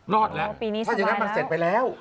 รอดแล้วถ้าอย่างนั้นมันเสร็จไปแล้ว